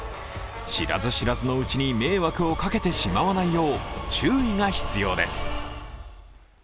知らず知らずのうちに迷惑をかけてしまわないよう注意が必要です。